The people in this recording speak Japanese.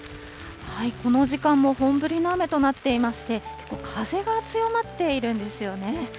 この時間も本降りの雨となっていまして、結構、風が強まっているんですよね。